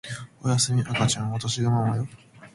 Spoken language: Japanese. おやすみ赤ちゃんわたしがママよ